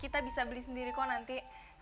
kita bisa beli sendiri kok nanti